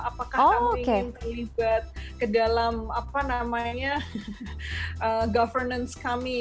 apakah kami ingin terlibat ke dalam governance kami